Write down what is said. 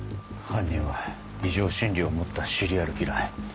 犯人は異常心理を持ったシリアルキラー。